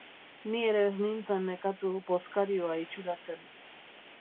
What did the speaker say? Ni ere ez nintzen nekatu bozkarioa itxuratzen.